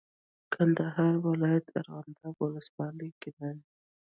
کندهار ولایت ارغنداب ولسوالۍ کې نن